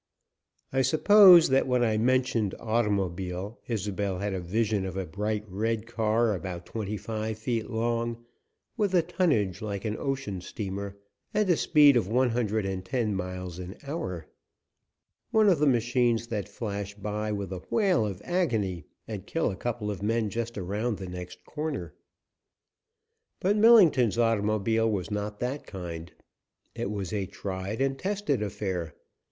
I suppose that when I mentioned automobile Isobel had a vision of a bright red car about twenty five feet long, with a tonnage like an ocean steamer, and a speed of one hundred and ten miles an hour one of the machines that flash by with a wail of agony and kill a couple of men just around the next corner. But Millington's automobile was not that kind. It was a tried and tested affair.